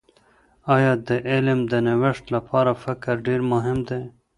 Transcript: آیا د علم د نوښت لپاره فکر ډېر مهم دي؟